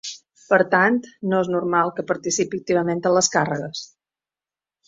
Per tant, no és normal que participi activament en les càrregues.